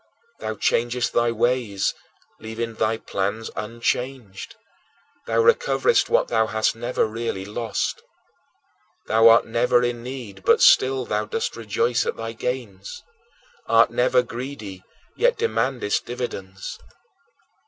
Thou changest thy ways, leaving thy plans unchanged; thou recoverest what thou hast never really lost. Thou art never in need but still thou dost rejoice at thy gains; art never greedy, yet demandest dividends.